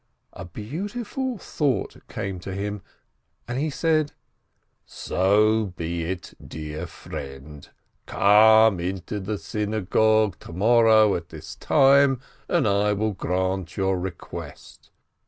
A beautiful thought came to him, and he said : "So be it, dear friend ! Come into the synagogue to morrow at this time, and I will grant your request.